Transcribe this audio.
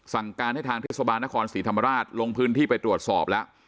สั่งการให้ทางเทศบาลนครศรีธรรมราชลงพื้นที่ไปตรวจสอบแล้ว